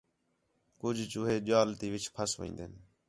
کُج چوہے ڄال تی پَھس وین٘دِن